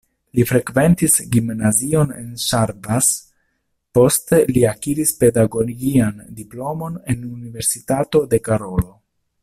Li frekventis gimnazion en Szarvas, poste li akiris pedagogian diplomon en Universitato de Karolo.